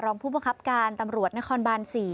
รองผู้บังคับการตำรวจนครบาน๔